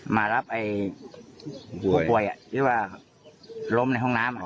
มารับผู้ป่วยที่ว่าล้มในห้องน้ำ